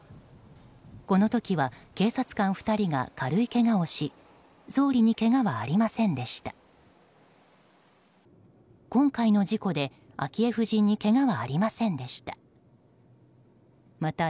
この時は警察官２人が軽いけがをし総理にけがはありませんでした。